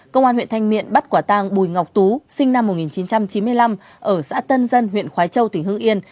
công an huyện thanh miện bắt quả tăng bùi ngọc tú sinh năm một nghìn chín trăm chín mươi năm ở xã tân dân huyện khói châu tỉnh hương yên